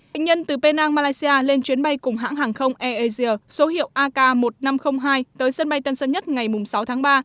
bệnh nhân từ penang malaysia lên chuyến bay cùng hãng hàng không airasia số hiệu ak một nghìn năm trăm linh hai tới sân bay tân sơn nhất ngày sáu tháng ba